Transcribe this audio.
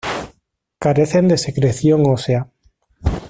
Carecen de secreción ósea.